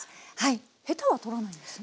ヘタはとらないんですね？